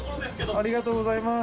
ありがとうございます。